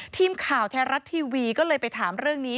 ทีมข่าวไทยรัฐทีวีก็เลยไปถามเรื่องนี้